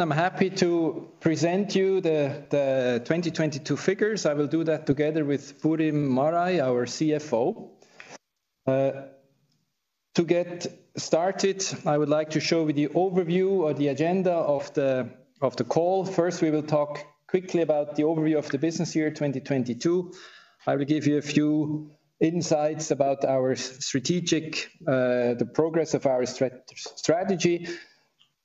I'm happy to present you the 2022 figures. I will do that together with Burim Maraj, our CFO. To get started, I would like to show you the overview or the agenda of the call. We will talk quickly about the overview of the business year 2022. I will give you a few insights about our strategic, the progress of our strategy.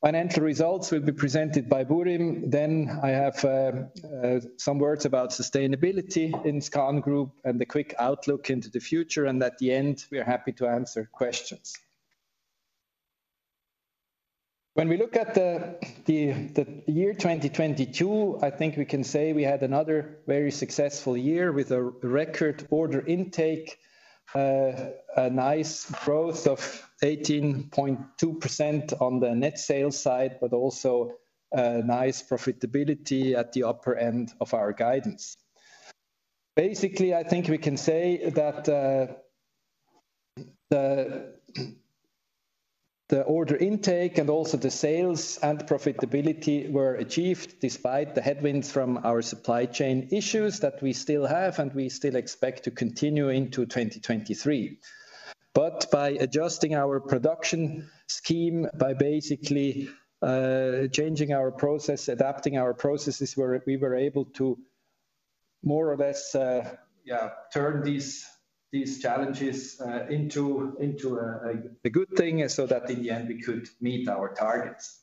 Financial results will be presented by Burim. I have some words about sustainability in SKAN Group and the quick outlook into the future. At the end, we are happy to answer questions. When we look at the year 2022, I think we can say we had another very successful year with a record order intake, a nice growth of 18.2% on the net sales side, but also nice profitability at the upper end of our guidance. Basically, I think we can say that the order intake and also the sales and profitability were achieved despite the headwinds from our supply chain issues that we still have and we still expect to continue into 2023. By adjusting our production scheme, by basically changing our process, adapting our processes, we were able to more or less, yeah, turn these challenges into a, like, a good thing so that in the end we could meet our targets.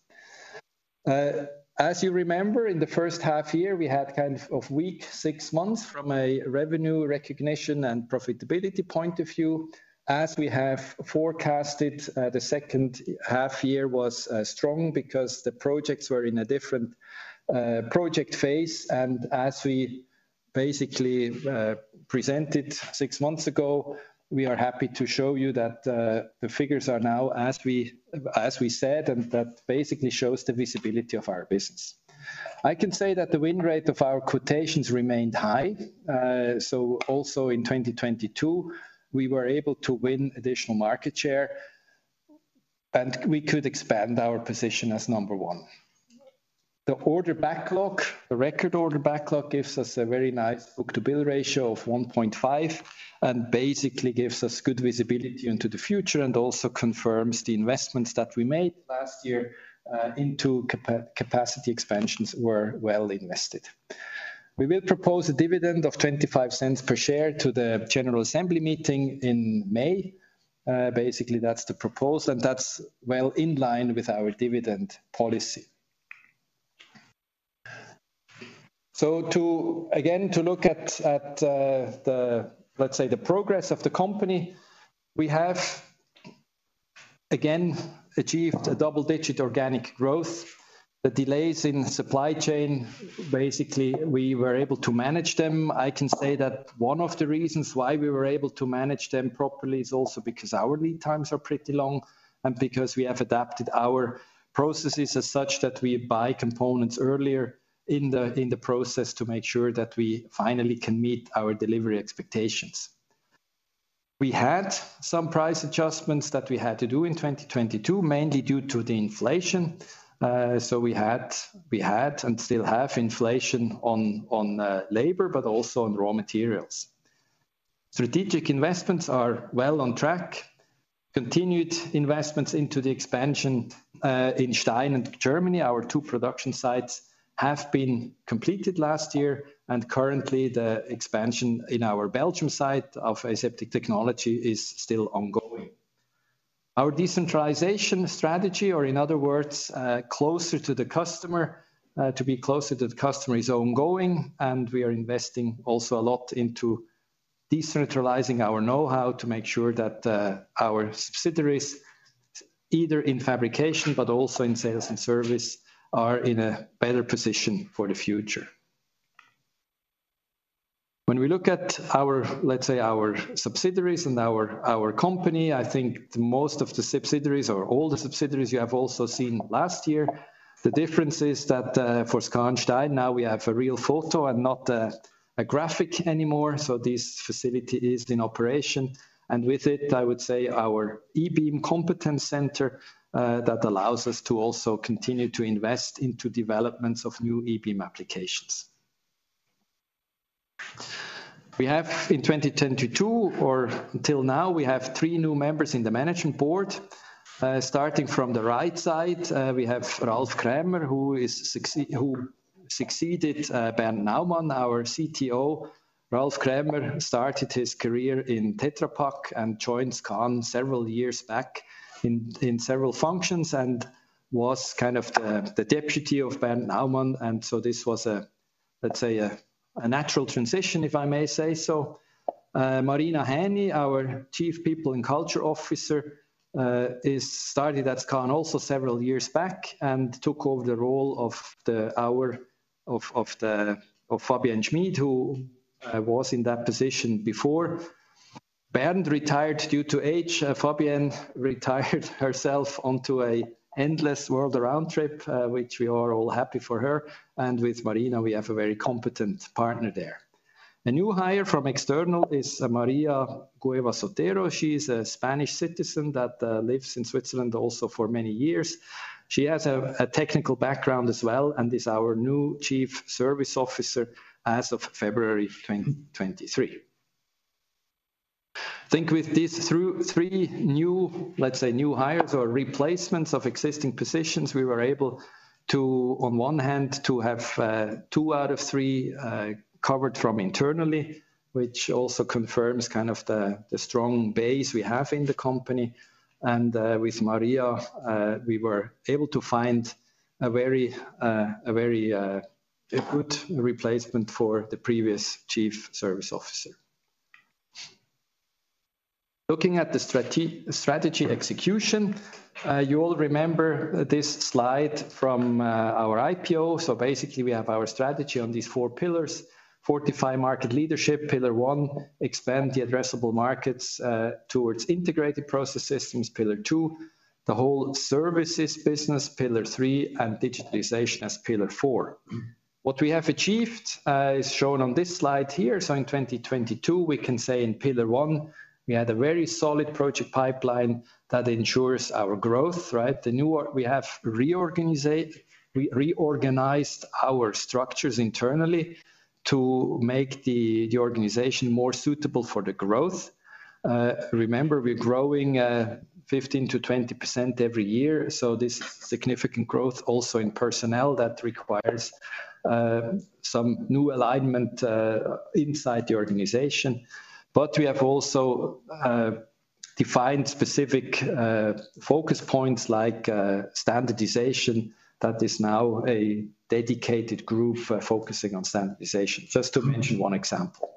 As you remember, in the first half year, we had kind of weak six months from a revenue recognition and profitability point of view. As we have forecasted, the second half year was strong because the projects were in a different project phase. As we basically presented six months ago, we are happy to show you that the figures are now as we said, and that basically shows the visibility of our business. I can say that the win rate of our quotations remained high. Also in 2022, we were able to win additional market share, and we could expand our position as number one. The order backlog, the record order backlog gives us a very nice book-to-bill ratio of 1.5, and basically gives us good visibility into the future and also confirms the investments that we made last year, into capacity expansions were well invested. We will propose a dividend of 0.25 per share to the general assembly meeting in May. Basically, that's the proposal, and that's well in line with our dividend policy. To, again, to look at, the, let's say the progress of the company, we have again achieved a double-digit organic growth. The delays in supply chain, basically, we were able to manage them. I can say that one of the reasons why we were able to manage them properly is also because our lead times are pretty long and because we have adapted our processes as such that we buy components earlier in the process to make sure that we finally can meet our delivery expectations. We had some price adjustments that we had to do in 2022, mainly due to the inflation. We had and still have inflation on labor, but also on raw materials. Strategic investments are well on track. Continued investments into the expansion in SKAN Stein and Germany, our two production sites, have been completed last year, and currently the expansion in our Belgium site of Aseptic Technologies is still ongoing. Our decentralization strategy, or in other words, closer to the customer, is ongoing, and we are investing also a lot into decentralizing our know-how to make sure that our subsidiaries, either in fabrication but also in sales and service, are in a better position for the future. When we look at our, let's say, our subsidiaries and our company, I think most of the subsidiaries or all the subsidiaries you have also seen last year. The difference is that for SKAN Stein, now we have a real photo and not a graphic anymore. This facility is in operation. With it, I would say our E-beam competence center that allows us to also continue to invest into developments of new E-beam applications. We have in 2010 to two, or until now, we have three new members in the management board. Starting from the right side, we have Ralf Krämer, who succeeded Bernd Naumann, our CTO. Ralf Krämer started his career in Tetra Pak and joined SKAN several years back in several functions and was kind of the deputy of Bernd Naumann. This was a, let's say, a natural transition, if I may say so. Marina Häni, our Chief People and Culture Officer, is started at SKAN also several years back and took over the role of Fabienne Schmid, who was in that position before. Bernd retired due to age. Fabienne retired herself onto a endless world around trip, which we are all happy for her. With Marina, we have a very competent partner there. A new hire from external is María Cuevas Otero. She's a Spanish citizen that lives in Switzerland also for many years. She has a technical background as well, and is our new Chief Service Officer as of February 2023. I think with these three new, let's say, new hires or replacements of existing positions, we were able to, on one hand, to have two out of three covered from internally, which also confirms kind of the strong base we have in the company. With María, we were able to find a very good replacement for the previous Chief Service Officer. Looking at the strategy execution, you all remember this slide from our IPO. Basically we have our strategy on these four pillars. Fortify market leadership, Pillar 1. Expand the addressable markets towards integrated process systems, Pillar 2. The whole services business, Pillar 3, and digitalization as Pillar 4. What we have achieved is shown on this slide here. In 2022, we can say in Pillar 1, we had a very solid project pipeline that ensures our growth, right? We have reorganized our structures internally to make the organization more suitable for the growth. Remember, we're growing 15%-20% every year, so this is significant growth also in personnel that requires some new alignment inside the organization. We have also defined specific focus points like standardization that is now a dedicated group focusing on standardization, just to mention one example.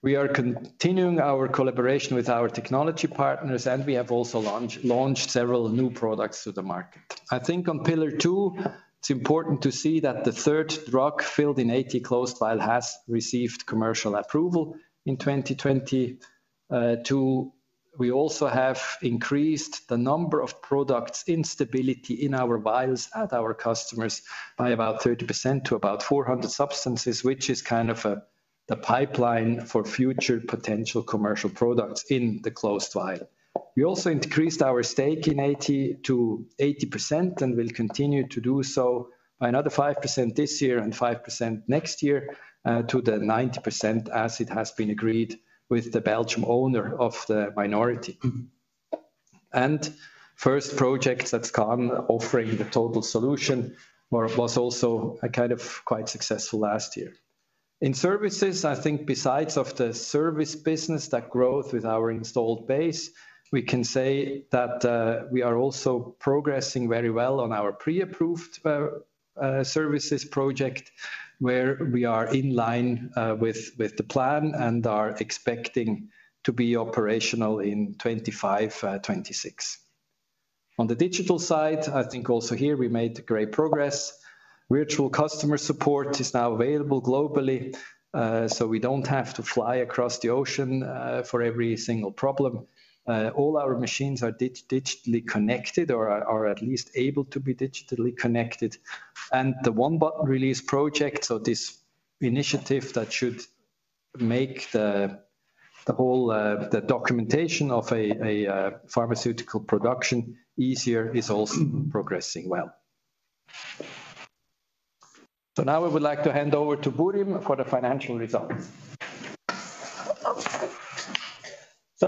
We are continuing our collaboration with our technology partners, we have also launched several new products to the market. I think on Pillar 2, it's important to see that the third drug filled in AT-Closed Vial has received commercial approval in 2022. We also have increased the number of products in stability in our vials at our customers by about 30% to about 400 substances, which is kind of a, the pipeline for future potential commercial products in the closed vial. We also increased our stake in AT to 80% and will continue to do so by another 5% this year and 5% next year, to the 90% as it has been agreed with the Belgian owner of the minority. First project that's come offering the total solution was also a kind of quite successful last year. In services, I think besides of the service business, that growth with our installed base, we can say that we are also progressing very well on our Pre-Approved Services project, where we are in line with the plan and are expecting to be operational in 2025, 2026. On the digital side, I think also here we made great progress. Virtual customer support is now available globally, so we don't have to fly across the ocean for every single problem. All our machines are digitally connected or are at least able to be digitally connected. The One Button Release project, so this initiative that should make the whole documentation of a pharmaceutical production easier, is also progressing well. Now I would like to hand over to Burim for the financial results.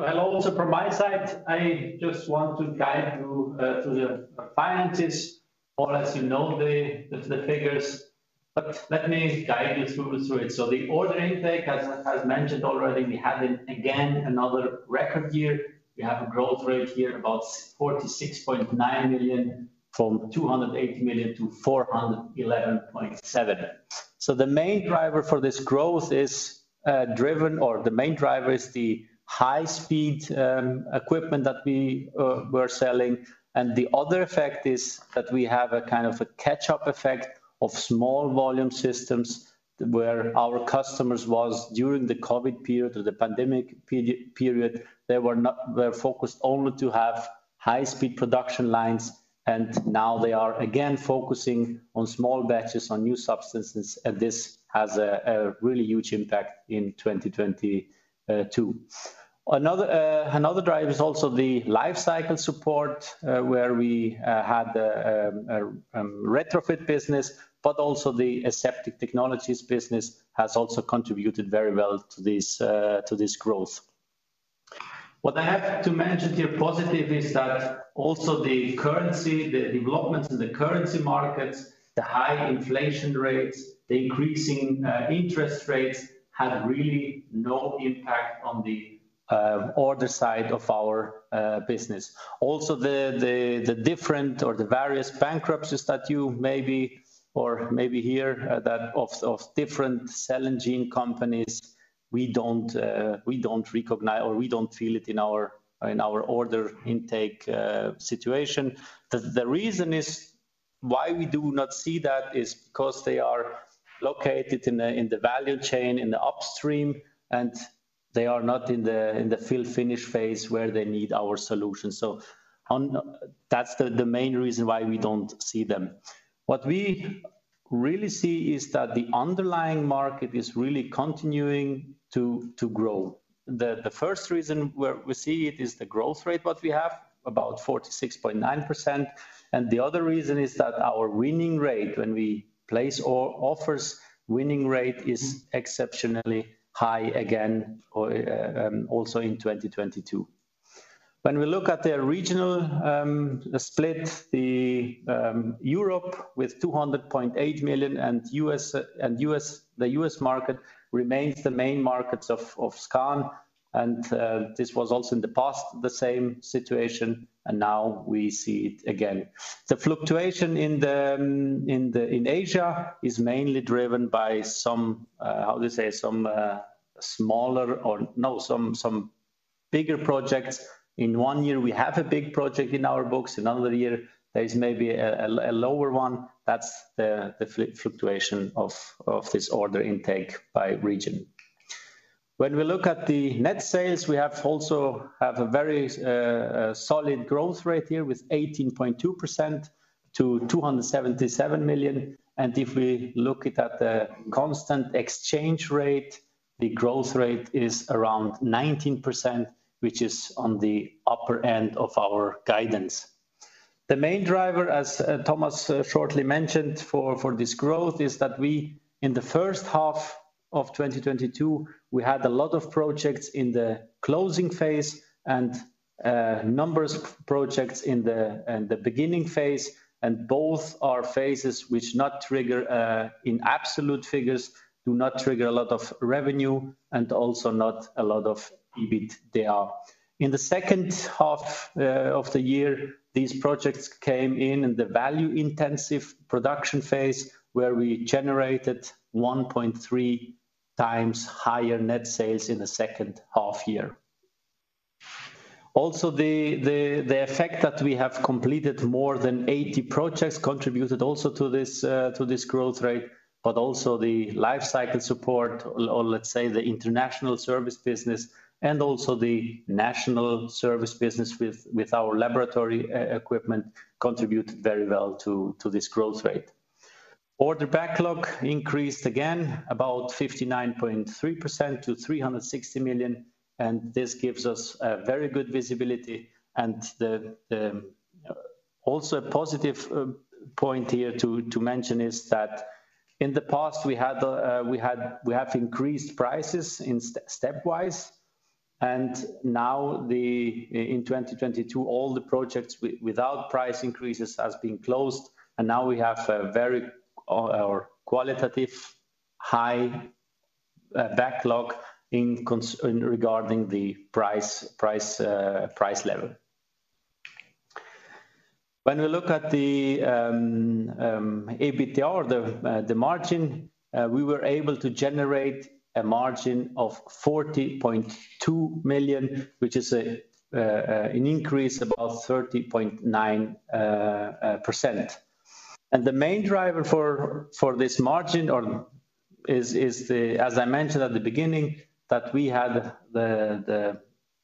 Hello also from my side. I just want to guide you through the finances. All as you know the figures, but let me guide you through it. The order intake, as mentioned already, we had it again another record year. We have a growth rate here about 46.9 million from 280 million-411.7 million. The main driver for this growth is driven or the main driver is the high-speed equipment that we're selling. The other effect is that we have a kind of a catch-up effect of small volume systems where our customers was during the COVID period or the pandemic period, they were not focused only to have high-speed production lines, and now they are again focusing on small batches, on new substances, and this has a really huge impact in 2022. Another driver is also the life cycle support, where we had a retrofit business, but also the Aseptic Technologies business has also contributed very well to this growth. What I have to mention here positive is that also the currency, the developments in the currency markets, the high inflation rates, the increasing interest rates had really no impact on the order side of our business. Also, the different or the various bankruptcies that you maybe or maybe hear, that of different cell and gene companies, we don't feel it in our order intake situation. The reason is why we do not see that is because they are located in the value chain, in the upstream. They are not in the fill finish phase where they need our solution. That's the main reason why we don't see them. What we really see is that the underlying market is really continuing to grow. The first reason where we see it is the growth rate that we have, about 46.9%, and the other reason is that our winning rate, when we place offers, winning rate is exceptionally high again, also in 2022. When we look at the regional split, Europe with 200.8 million and U.S., the U.S. market remains the main markets of SKAN. This was also in the past the same situation, and now we see it again. The fluctuation in Asia is mainly driven by some, how to say, some smaller or no some bigger projects. In one year, we have a big project in our books. Another year, there is maybe a lower one. That's the fluctuation of this order intake by region. When we look at the net sales, we also have a very solid growth rate here with 18.2% to 277 million. If we look it at the constant exchange rate, the growth rate is around 19%, which is on the upper end of our guidance. The main driver, as Thomas shortly mentioned for this growth, is that we, in the first half of 2022, we had a lot of projects in the closing phase and numbers of projects in the beginning phase, and both are phases which not trigger in absolute figures, do not trigger a lot of revenue and also not a lot of EBITDA. In the second half of the year, these projects came in the value-intensive production phase, where we generated 1.3 times higher net sales in the second half year. Also, the effect that we have completed more than 80 projects contributed also to this, to this growth rate, but also the life cycle support or let's say the international service business and also the national service business with our laboratory equipment contributed very well to this growth rate. Order backlog increased again about 59.3% to 360 million, and this gives us very good visibility. The also a positive point here to mention is that in the past we have increased prices in stepwise, and now in 2022, all the projects without price increases has been closed, and now we have a very qualitative high backlog regarding the price level. When we look at the EBITDA, the margin, we were able to generate a margin of 40.2 million, which is an increase about 30.9%. The main driver for this margin or is the, as I mentioned at the beginning, that we had the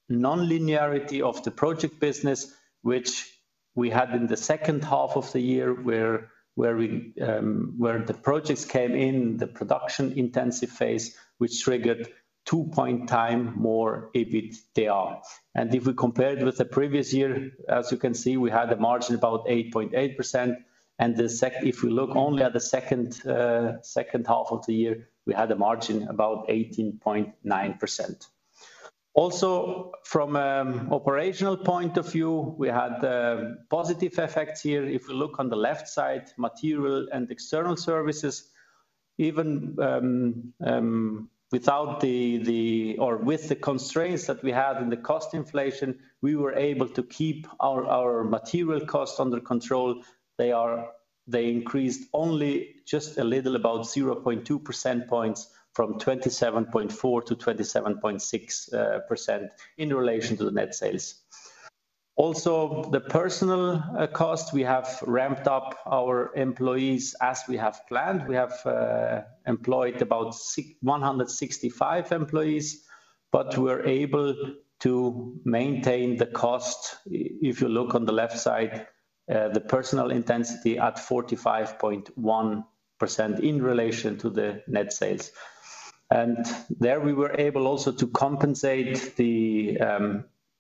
non-linearity of the project business which we had in the second half of the year where the projects came in the production intensive phase, which triggered 2x more EBITDA. If we compare it with the previous year, as you can see, we had a margin about 8.8%. If we look only at the second half of the year, we had a margin about 18.9%. Also, from operational point of view, we had positive effects here. If we look on the left side, material and external services, even with the constraints that we had in the cost inflation, we were able to keep our material costs under control. They increased only just a little, about 0.2% points from 27.4%-27.6% in relation to the net sales. The personal cost, we have ramped up our employees as we have planned. We have employed about 165 employees, but we're able to maintain the cost, if you look on the left side, the personal intensity at 45.1% in relation to the net sales. There we were able also to compensate the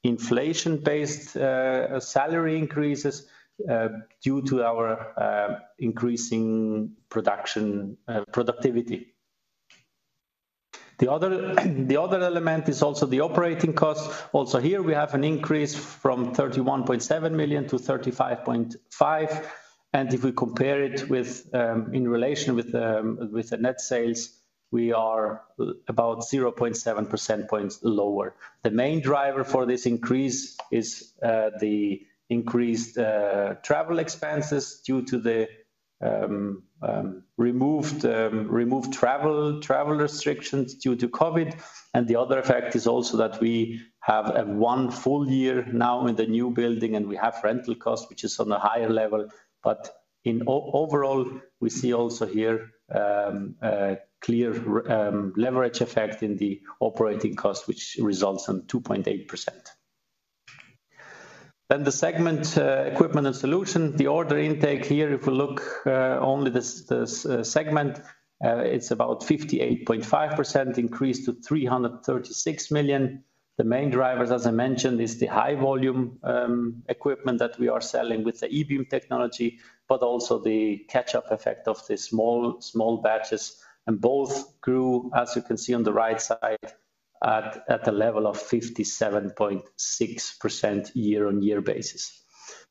inflation-based salary increases due to our increasing production productivity. The other element is also the operating cost. Also here we have an increase from 31.7 million-35.5 million. If we compare it with, in relation with the net sales, we are about 0.7% points lower. The main driver for this increase is the increased travel expenses due to the removed travel restrictions due to COVID. The other effect is also that we have one full year now in the new building, and we have rental cost, which is on a higher level. In overall, we see also here a clear leverage effect in the operating cost, which results in 2.8%. The segment equipment and solution. The order intake here, if we look, only this segment, it's about 58.5% increase to 336 million. The main drivers, as I mentioned, is the high volume equipment that we are selling with the e-beam technology, but also the catch-up effect of the small batches. Both grew, as you can see on the right side, at the level of 57.6% year-on-year basis.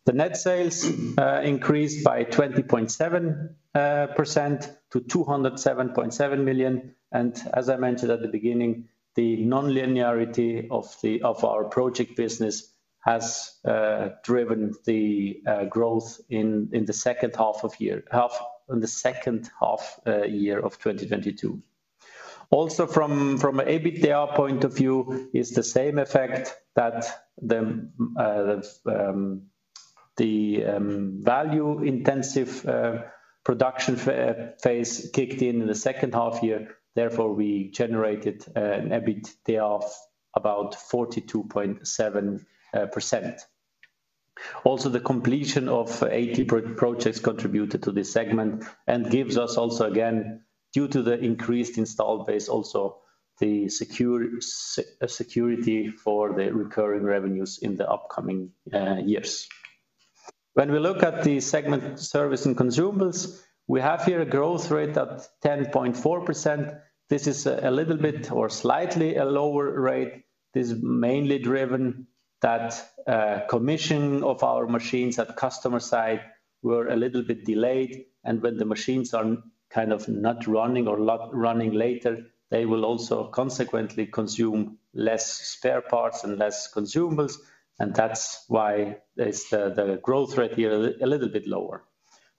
The net sales increased by 20.7% to 207.7 million. As I mentioned at the beginning, the nonlinearity of our project business has driven the growth in the second half of 2022. From an EBITDA point of view is the same effect that the value intensive production face kicked in the second half year, therefore, we generated an EBITDA of about 42.7%. The completion of 80 projects contributed to this segment and gives us also, again, due to the increased installed base, also the security for the recurring revenues in the upcoming years. When we look at the segment service and consumables, we have here a growth rate at 10.4%. This is a little bit or slightly a lower rate. This is mainly driven that commission of our machines at customer side were a little bit delayed. When the machines are kind of not running or not running later, they will also consequently consume less spare parts and less consumables. That's why is the growth rate here a little bit lower.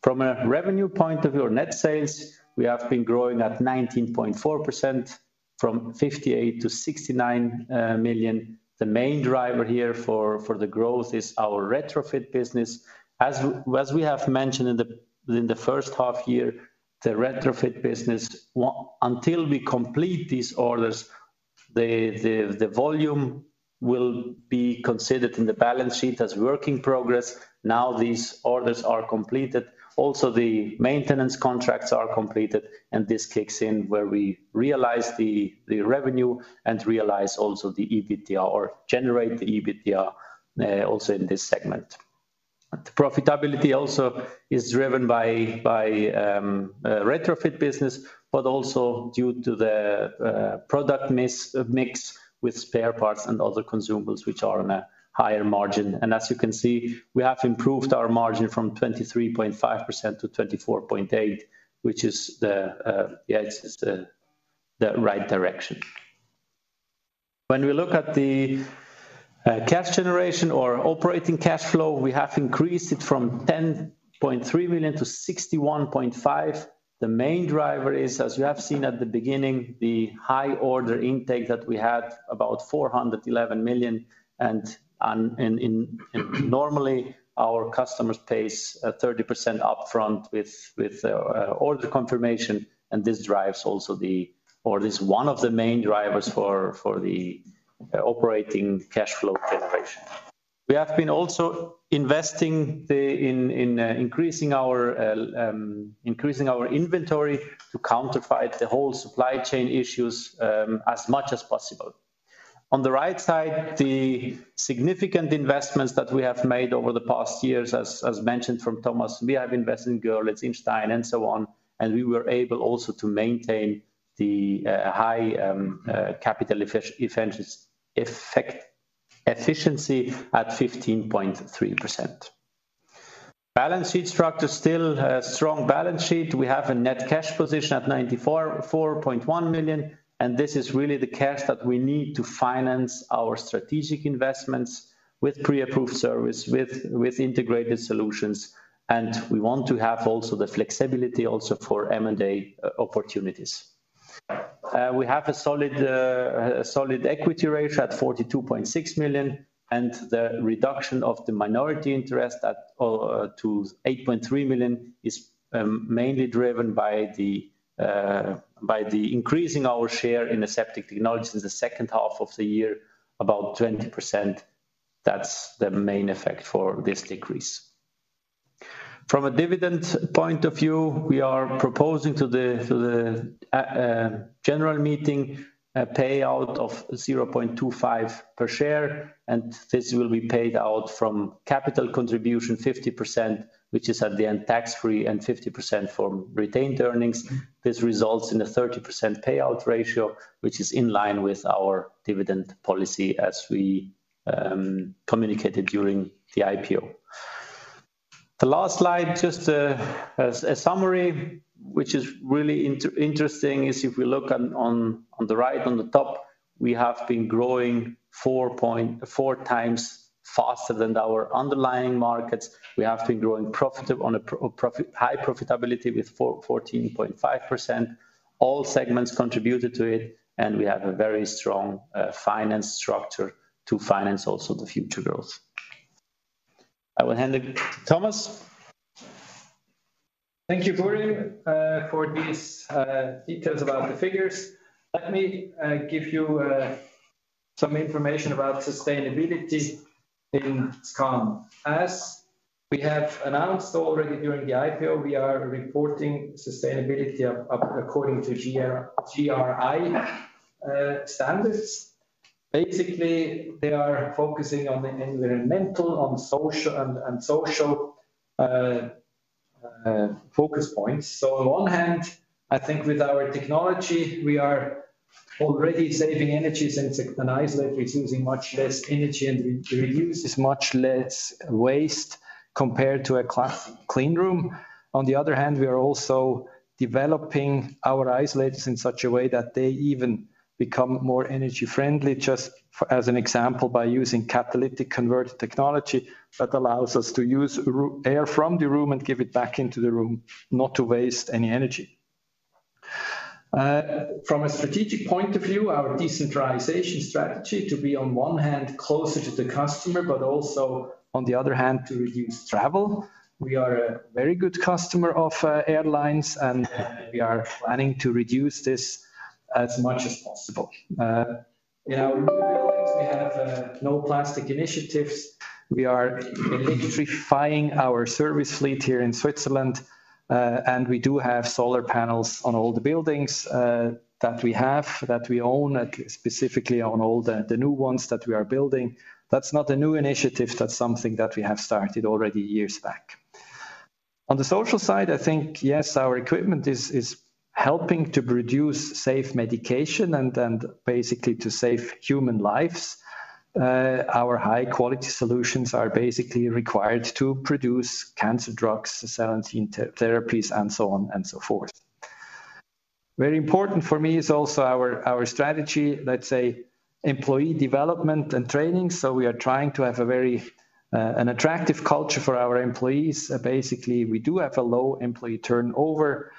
From a revenue point of view or net sales, we have been growing at 19.4% from 58 million-69 million. The main driver here for the growth is our retrofit business. As we have mentioned in the first half year, the retrofit business until we complete these orders, the volume will be considered in the balance sheet as work in progress. Now these orders are completed. Also, the maintenance contracts are completed. This kicks in where we realize the revenue and realize also the EBITDA or generate the EBITDA also in this segment. The profitability also is driven by retrofit business, but also due to the product mis-mix with spare parts and other consumables which are on a higher margin. We have improved our margin from 23.5%-24.8%, which is the, yes, it's the right direction. When we look at the cash generation or operating cash flow, we have increased it from 10.3 million-61.5 million. The main driver is, as you have seen at the beginning, the high order intake that we had about 411 million. Normally, our customers pays 30% upfront with order confirmation, and this is one of the main drivers for the operating cash flow generation. We have been also investing in increasing our increasing our inventory to counterfeit the whole supply chain issues as much as possible. On the right side, the significant investments that we have made over the past years as mentioned from Thomas, we have invested in Görlitz, in Stein, and so on, and we were able also to maintain the high capital efficiency at 15.3%. Balance sheet structure still a strong balance sheet. We have a net cash position at 94.1 million, and this is really the cash that we need to finance our strategic investments with Pre-Approved service, with integrated solutions. We want to have also the flexibility also for M&A opportunities. We have a solid, a solid equity ratio at 42.6 million. The reduction of the minority interest to 8.3 million is mainly driven by the by the increasing our share in Aseptic Technologies in the second half of the year, about 20%. That's the main effect for this decrease. From a dividend point of view, we are proposing to the to the general meeting a payout of 0.25 per share, and this will be paid out from capital contribution 50%, which is at the end tax-free, and 50% from retained earnings. This results in a 30% payout ratio, which is in line with our dividend policy as we communicated during the IPO. The last slide, just as a summary, which is really interesting, is if we look on, on the right, on the top, we have been growing 4 times faster than our underlying markets. We have been growing profitable on a high profitability with 14.5%. All segments contributed to it. We have a very strong finance structure to finance also the future growth. I will hand it to Thomas. Thank you, Burim, for these details about the figures. Let me give you some information about sustainability in SKAN. As we have announced already during the IPO, we are reporting sustainability according to GRI standards. Basically, they are focusing on the environmental, on social, and social focus points. On one hand, I think with our technology, we are already saving energy since the isolator is using much less energy, and we produce much less waste compared to a Class C cleanroom. On the other hand, we are also developing our isolators in such a way that they even become more energy-friendly, as an example, by using catalytic converter technology that allows us to use air from the room and give it back into the room, not to waste any energy. From a strategic point of view, our decentralization strategy to be, on one hand, closer to the customer, but also, on the other hand, to reduce travel. We are a very good customer of airlines. We are planning to reduce this as much as possible. In our buildings, we have no plastic initiatives. We are electrifying our service fleet here in Switzerland. We do have solar panels on all the buildings that we have, that we own, specifically on all the new ones that we are building. That's not a new initiative. That's something that we have started already years back. On the social side, I think, yes, our equipment is helping to produce safe medication and then basically to save human lives. Our high-quality solutions are basically required to produce cancer drugs, cell and gene therapies, and so on and so forth. Very important for me is also our strategy, let's say employee development and training. We are trying to have a very attractive culture for our employees. Basically, we do have a low employee turnover.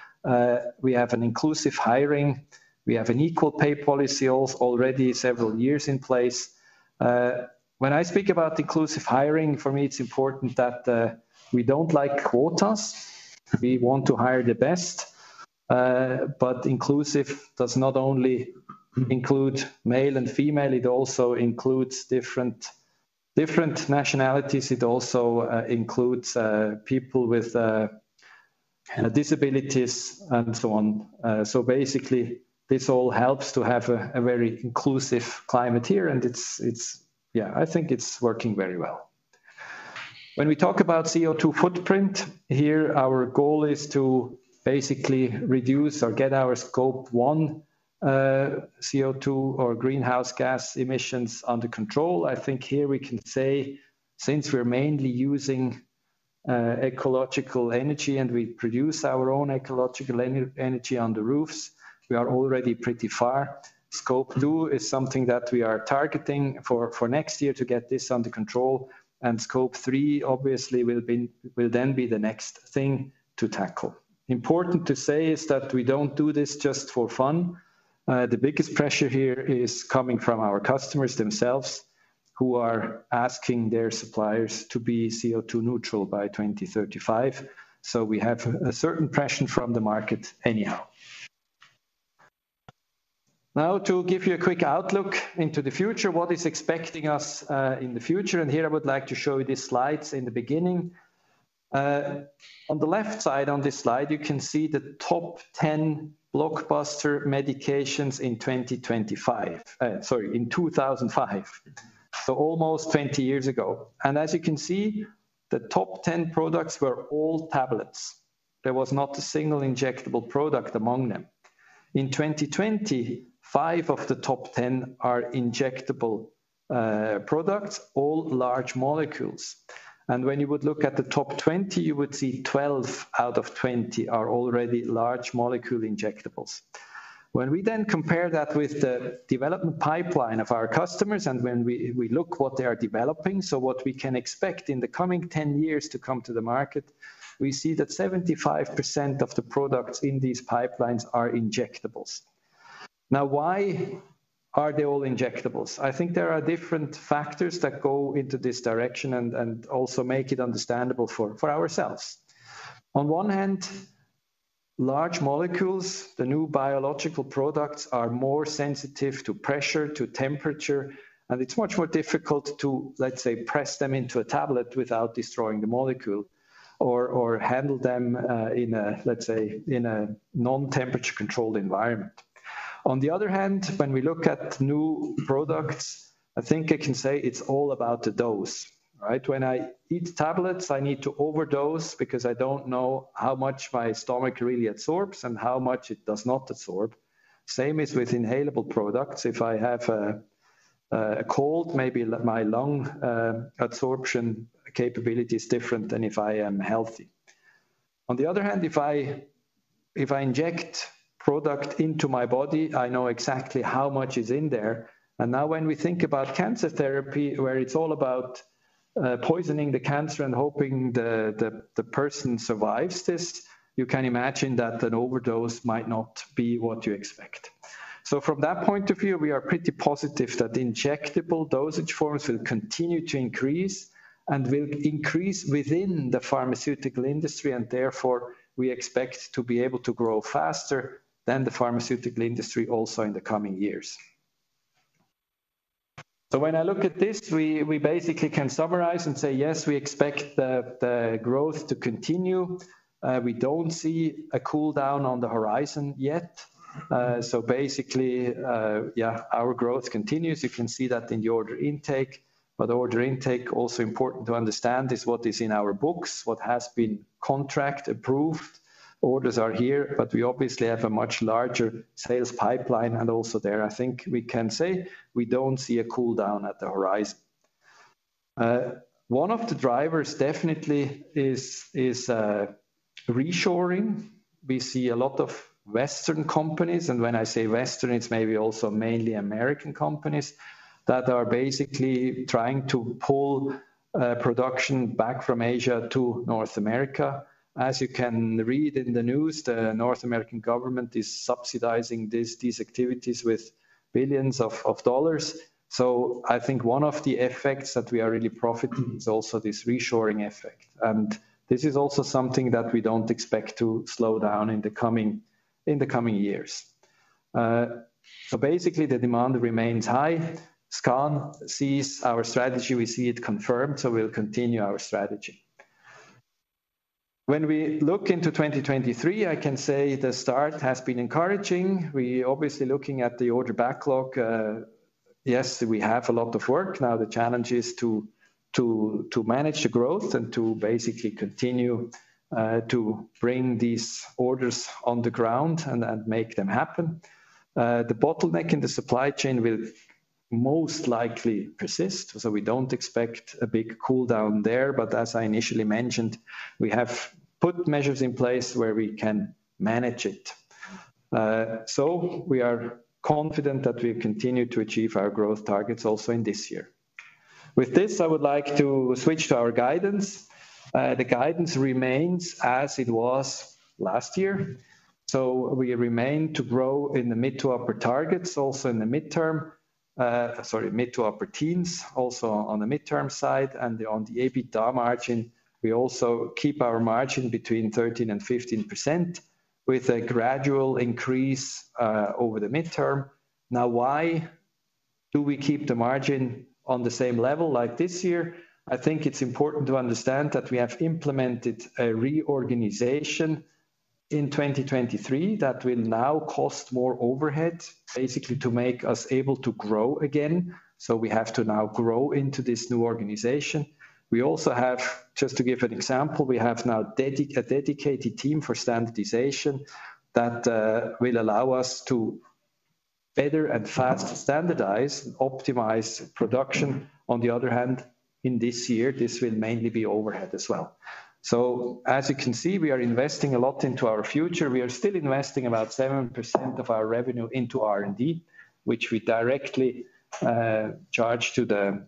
We have an inclusive hiring. We have an equal pay policy already several years in place. When I speak about inclusive hiring, for me, it's important that we don't like quotas. We want to hire the best. Inclusive does not only include male and female, it also includes different nationalities. It also includes people with disabilities and so on. Basically, this all helps to have a very inclusive climate here. It's. I think it's working very well. When we talk about CO2 footprint, here, our goal is to basically reduce or get our Scope 1 CO2 or greenhouse gas emissions under control. I think here we can say, since we're mainly using ecological energy and we produce our own ecological energy on the roofs, we are already pretty far. Scope 2 is something that we are targeting for next year to get this under control, and Scope 3, obviously, will then be the next thing to tackle. Important to say is that we don't do this just for fun. The biggest pressure here is coming from our customers themselves, who are asking their suppliers to be CO2 neutral by 2035. We have a certain pressure from the market anyhow. Now to give you a quick outlook into the future, what is expecting us in the future. Here I would like to show you these slides in the beginning. On the left side on this slide, you can see the top 10 blockbuster medications in 2025. Sorry, in 2005. Almost 20 years ago. As you can see, the top 10 products were all tablets. There was not a single injectable product among them. In 2020, five of the top 10 are injectable products, all large molecules. When you would look at the top 20, you would see 12 out of 20 are already large molecule injectables. When we compare that with the development pipeline of our customers and when we look what they are developing, so what we can expect in the coming 10 years to come to the market, we see that 75% of the products in these pipelines are injectables. Why are they all injectables? I think there are different factors that go into this direction and also make it understandable for ourselves. On one hand, large molecules, the new biological products are more sensitive to pressure, to temperature, and it's much more difficult to, let's say, press them into a tablet without destroying the molecule or handle them in a, let's say, in a non-temperature-controlled environment. On the other hand, when we look at new products, I think I can say it's all about the dose, right? When I eat tablets, I need to overdose because I don't know how much my stomach really absorbs and how much it does not absorb. Same is with inhalable products. If I have a cold, maybe my lung absorption capability is different than if I am healthy. On the other hand, if I, if I inject product into my body, I know exactly how much is in there. Now when we think about cancer therapy, where it's all about poisoning the cancer and hoping the person survives this, you can imagine that an overdose might not be what you expect. From that point of view, we are pretty positive that injectable dosage forms will continue to increase and will increase within the pharmaceutical industry, and therefore we expect to be able to grow faster than the pharmaceutical industry also in the coming years. When I look at this, we basically can summarize and say, yes, we expect the growth to continue. We don't see a cool down on the horizon yet. Basically, yeah, our growth continues. You can see that in the order intake. Order intake, also important to understand is what is in our books, what has been contract approved. Orders are here, but we obviously have a much larger sales pipeline. Also there, I think we can say we don't see a cool down at the horizon. One of the drivers definitely is reshoring. We see a lot of Western companies, and when I say Western, it's maybe also mainly American companies, that are basically trying to pull production back from Asia to North America. As you can read in the news, the North American government is subsidizing these activities with billions of dollar. I think one of the effects that we are really profiting is also this reshoring effect. This is also something that we don't expect to slow down in the coming years. Basically the demand remains high. SKAN sees our strategy. We see it confirmed, we'll continue our strategy. When we look into 2023, I can say the start has been encouraging. We obviously looking at the order backlog, yes, we have a lot of work. Now the challenge is to manage the growth and to basically continue to bring these orders on the ground and make them happen. The bottleneck in the supply chain will most likely persist, we don't expect a big cool down there, but as I initially mentioned, we have put measures in place where we can manage it. We are confident that we've continued to achieve our growth targets also in this year. With this, I would like to switch to our guidance. The guidance remains as it was last year. We remain to grow in the mid to upper targets, also in the midterm. Sorry, mid to upper teens, also on the midterm side and on the EBITDA margin, we also keep our margin between 13% and 15% with a gradual increase over the midterm. Now why do we keep the margin on the same level like this year? I think it's important to understand that we have implemented a reorganization in 2023 that will now cost more overhead basically to make us able to grow again. We have to now grow into this new organization. We also have, just to give an example, we have now a dedicated team for standardization that will allow us to better and fast standardize and optimize production. On the other hand, in this year, this will mainly be overhead as well. As you can see, we are investing a lot into our future. We are still investing about 7% of our revenue into R&D, which we directly charge to the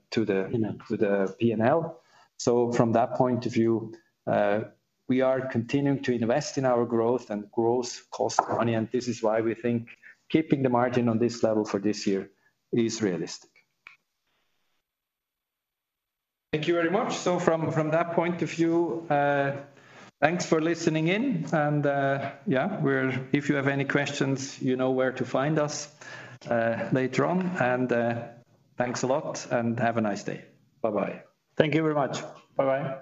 P&L. From that point of view, we are continuing to invest in our growth, and growth costs money, and this is why we think keeping the margin on this level for this year is realistic. Thank you very much. From that point of view, thanks for listening in and, yeah, if you have any questions, you know where to find us, later on, and, thanks a lot and have a nice day. Bye-bye. Thank you very much. Bye-bye.